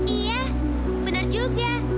iya bener juga